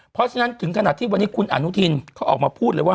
เพราะฉะนั้นถึงขนาดที่วันนี้คุณอนุทินเขาออกมาพูดเลยว่า